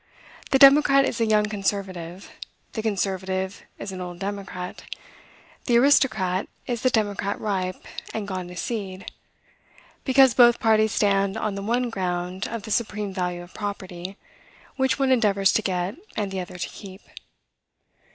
The democrat is a young conservative; the conservative is an old democrat. The aristocrat is the democrat ripe, and gone to seed, because both parties stand on the one ground of the supreme value of property, which one endeavors to get, and the other to keep.